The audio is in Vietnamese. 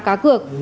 các tài khoản